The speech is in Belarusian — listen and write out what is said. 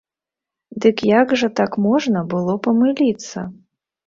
Дык, як жа так можна было памыліцца?